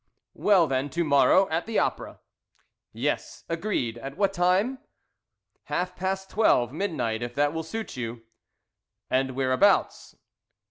"Well, then, to morrow, at the Opera." "Yes, agreed." "At what time?" "Half past twelve midnight, if that will suit you." "And whereabouts?"